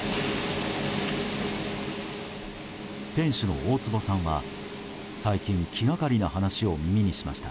店主の大坪さんは最近気がかりな話を耳にしました。